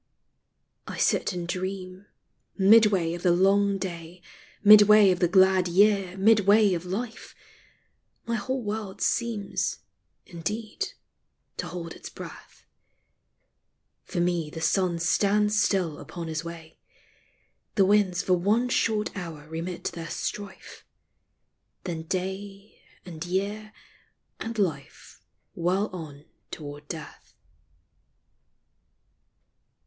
I sit and dream — midway of the long day — Midway of the glad year — midway of life — My whole world seems, indeed, to hold its breath :— LIFE. 277 For me the sun stands still upon his way — The winds for one short hour remit their strife —• Then Day, and Year, and Life whirl on toward Death.